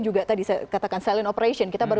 juga tadi saya katakan silent operation kita baru